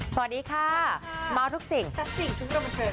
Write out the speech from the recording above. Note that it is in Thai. สวัสดีค่ะมาวทุกสิ่งทุกรอบเติม